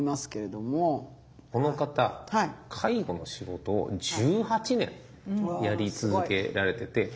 この方介護の仕事を１８年やり続けられてて。